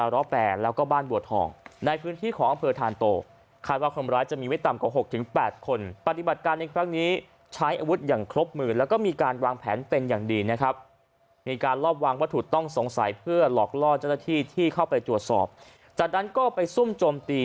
ระวังว่าถูกต้องสงสัยเพื่อหลอกลอดท่าที่ที่เข้าไปจวดสอบจัดล้านก็ไปซุ่มโจมตี